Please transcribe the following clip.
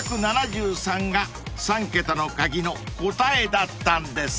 ５７３が３桁の鍵の答えだったんです］